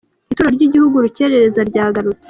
Itorero ry’igihugu Urukerereza ryagarutse